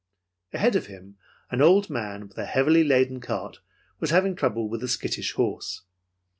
Ahead of him, an old man with a heavily laden cart was having trouble with a skittish horse.